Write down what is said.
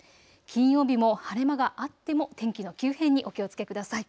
金曜日も晴れ間があっても天気の急変にお気をつけください。